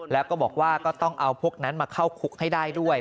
แล้วก็บอกว่าก็ต้องเอาพวกนั้นมาเข้าคุกให้ได้ด้วย